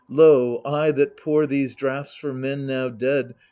Lo, I that pour these draughts for men now dead.